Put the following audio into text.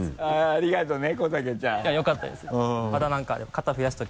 ありがとね。